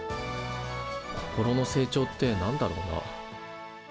心の成長って何だろうな？